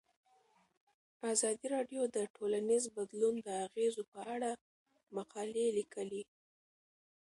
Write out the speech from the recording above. ازادي راډیو د ټولنیز بدلون د اغیزو په اړه مقالو لیکلي.